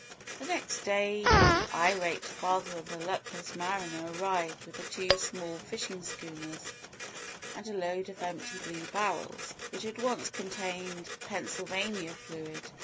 The next day the irate father of the luckless mariner arrived with two small fishing schooners and a load of empty blue barrels which had once contained "Pennsylvania Fluid."